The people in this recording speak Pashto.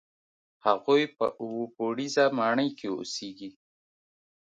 هغوی په اووه پوړیزه ماڼۍ کې اوسېږي.